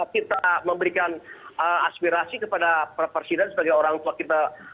kita memberikan aspirasi kepada presiden sebagai orang tua kita